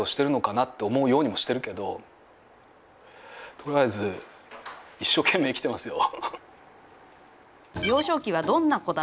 とりあえず一生懸命生きてますよ。